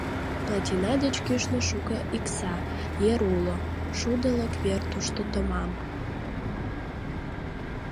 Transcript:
Плотина деч кӱшнӧ шуко икса, ер уло, шудылык вер тушто томам.